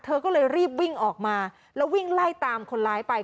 เธอก็เลยรีบวิ่งออกมาแล้ววิ่งไล่ตามคนร้ายไป